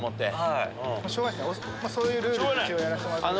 そういうルールで一応やらしてもらってるので。